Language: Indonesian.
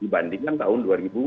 dibandingkan tahun dua ribu dua puluh